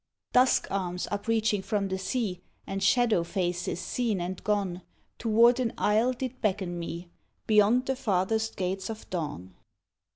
Dusk arms upreaching from the sea, And shadow faces, seen and gone, Toward an isle did beckon me, Beyond the farthest gates of dawn.